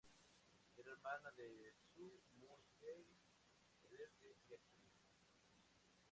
Era hermana de Su Muy Key, vedette y actriz.